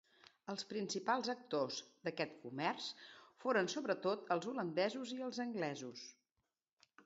Els principals actors d'aquest comerç foren sobretot els holandesos i els anglesos.